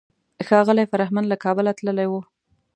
ښاغلی فرهمند له کابله تللی و.